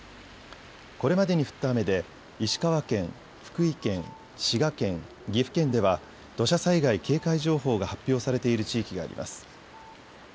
これまでに降った雨で石川県、福井県、滋賀県、岐阜県では土砂災害警戒情報が発表されている地域があります。